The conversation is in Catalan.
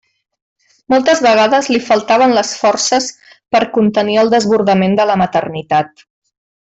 Moltes vegades li faltaven les forces per a contenir el desbordament de la maternitat.